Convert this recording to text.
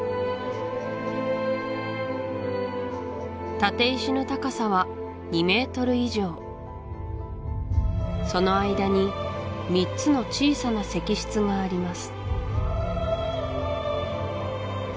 立石の高さは２ｍ以上その間に３つの小さな石室があります